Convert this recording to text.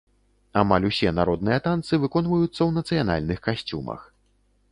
Амаль усе народныя танцы выконваюцца ў нацыянальных касцюмах.